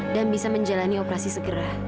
dan bisa menjalani operasi segera